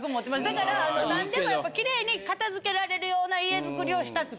だから何でもやっぱきれいに片付けられるような家づくりをしたくて。